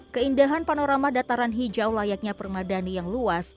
keindahan panorama dataran hijau layaknya permadani yang luas